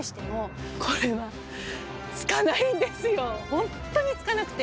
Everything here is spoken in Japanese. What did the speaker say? ホントにつかなくて。